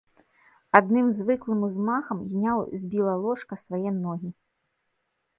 Адным звыклым узмахам зняў з біла ложка свае ногі.